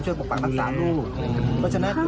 ก็คืออยากให้ศาลพระภูมิช่วยปกปักษณ์ศาลลูก